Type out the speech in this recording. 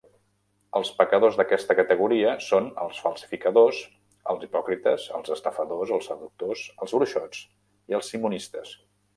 Els pecadors d'aquesta categoria són els falsificadors, els hipòcrites, els estafadors, els seductors, els bruixots i els simonistes.